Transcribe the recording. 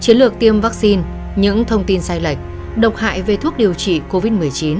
chiến lược tiêm vaccine những thông tin sai lệch độc hại về thuốc điều trị covid một mươi chín